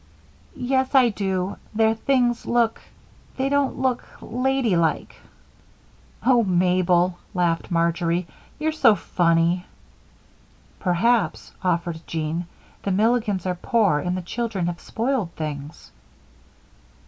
"Yes, I do too. Their things look they don't look ladylike." "Oh, Mabel," laughed Marjory, "you're so funny." "Perhaps," offered Jean, "the Milligans are poor and the children have spoiled things."